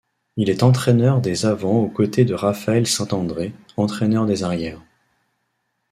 Il est entraîneur des avants aux côtés de Raphaël Saint-André, entraîneur des arrières.